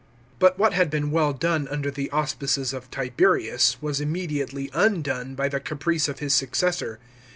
But what had been well done under the auspices of Tiberius, was immediately undone by the caprice of his successor.